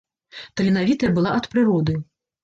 Таленавітая была ад прыроды.